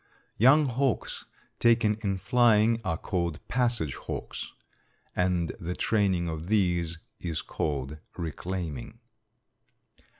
Young hawks taken in flying are called passage hawks, and the training of these is called reclaiming.